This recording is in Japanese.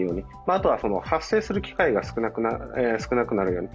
あとは発声する機会が少なくなるように。